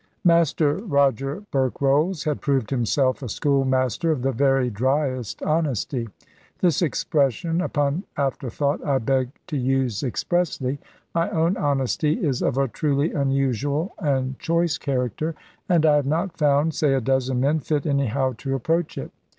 Master Roger Berkrolles had proved himself a schoolmaster of the very driest honesty. This expression, upon afterthought, I beg to use expressly. My own honesty is of a truly unusual and choice character; and I have not found, say a dozen men, fit anyhow to approach it.